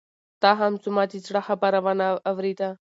تا هم زما د زړه خبره وانه اورېده.